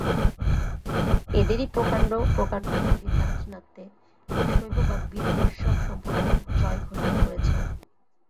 এদেরই প্রকাণ্ড প্রকাণ্ড মন্দির দাক্ষিণাত্যে বীরশৈব বা বীরবৈষ্ণবসম্প্রদায়ের জয় ঘোষণা করেছে।